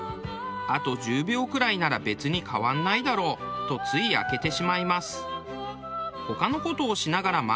あと１０秒くらいなら別に変わんないだろうとつい開けてしまいます。